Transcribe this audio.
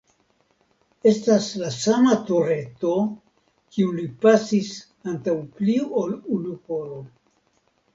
Estas la sama tureto, kiun li pasis antaŭ pli ol unu horo.